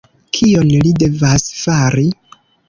Kion li devas fari?